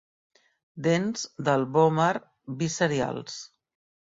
Dents del vòmer biserials.